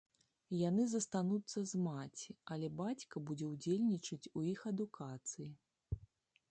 Яны застануцца з маці, але бацька будзе ўдзельнічаць у іх адукацыі.